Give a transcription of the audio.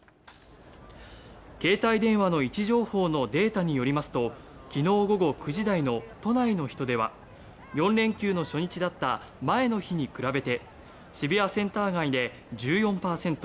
携帯電話の位置情報のデータによりますと昨日午後９時台の都内の人出は４連休の初日だった前の日に比べ渋谷センター街で１４％